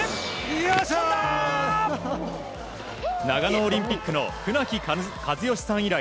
長野オリンピックの船木和喜さん